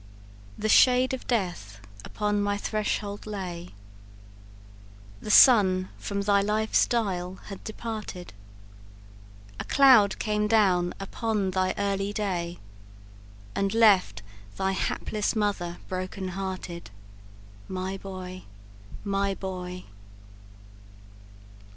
"The shade of death upon my threshold lay, The sun from thy life's dial had departed; A cloud came down upon thy early day, And left thy hapless mother broken hearted My boy my boy!